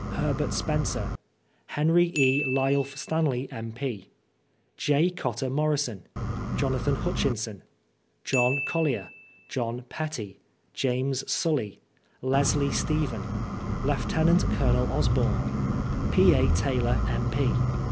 Herbert Spencer Hen. E Lyulph Stanley, M.F. J. Cotter Morison Jonathan Hutchinson John Collier John Pettie James Sully Leslie Steimen lient CoL Osborne P. A Taylor, M.P.